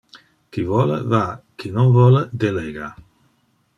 Qui vole va, qui non vole delega.